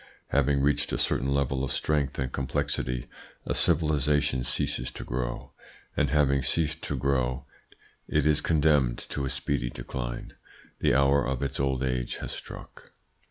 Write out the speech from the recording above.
Having reached a certain level of strength and complexity a civilisation ceases to grow, and having ceased to grow it is condemned to a speedy decline. The hour of its old age has struck.